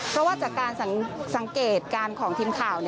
เพราะว่าจากการสังเกตการณ์ของทีมข่าว